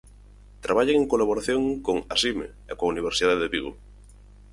Traballan en colaboración con Asime e coa Universidade de Vigo.